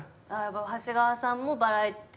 長谷川さんもバラエティー。